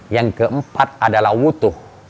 yang keempat adalah wutuh